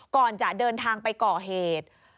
ก่อนจะเดินทางไปก่อเหตุ